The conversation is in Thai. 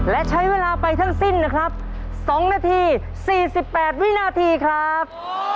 และใช้เวลาไปทั้งสิ้นนะครับ๒นาที๔๘วินาทีครับ